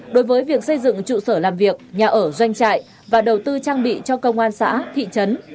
đối với việc xây dựng trụ sở làm việc nhà ở doanh trại và đầu tư trang bị cho công an xã thị trấn